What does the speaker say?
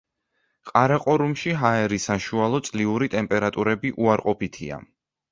ყარაყორუმში ჰაერის საშუალო წლიური ტემპერატურები უარყოფითია.